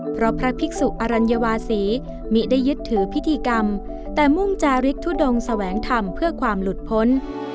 เพราะพระภิกษุอรัญวาศีมิได้ยึดถือพิธีกรรมแต่มุ่งจาริกทุดงแสวงธรรมเพื่อความหลุดพ้น